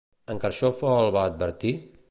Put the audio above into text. En Carxofa el va advertir?